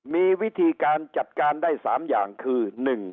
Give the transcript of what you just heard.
มีวิธีการจัดการได้๓อย่างคือ